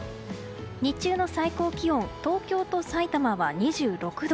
日中の最高気温東京と埼玉は２６度。